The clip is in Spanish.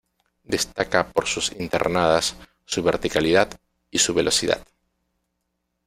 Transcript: Destaca por sus internadas, su verticalidad, y su velocidad.